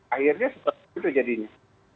akhirnya sudah sempat itu jadinya